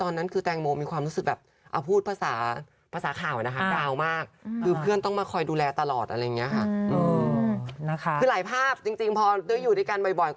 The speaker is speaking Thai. โอ้โหเพื่อนน่ารักมาก